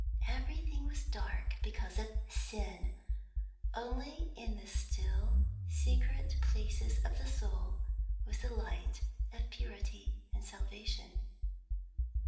Everything was dark because of sin; only in the still, secret places of the soul was the light of purity and salvation.